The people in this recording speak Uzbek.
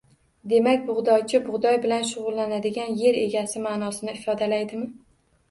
Demak, Bug‘doychi – bug‘doy bilan shug‘ullanadigan yer egasi ma’nosini ifodalaydi.